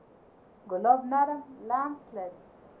ګلاب نرم لمس لري.